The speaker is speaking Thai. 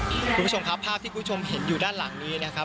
คุณผู้ชมครับภาพที่คุณผู้ชมเห็นอยู่ด้านหลังนี้นะครับ